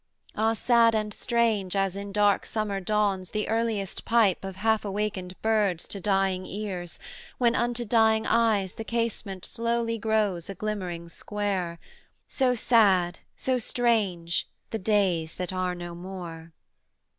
'Ah, sad and strange as in dark summer dawns The earliest pipe of half awakened birds To dying ears, when unto dying eyes The casement slowly grows a glimmering square; So sad, so strange, the days that are no more.